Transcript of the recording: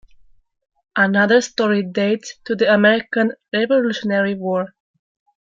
Another story dates to the American Revolutionary War.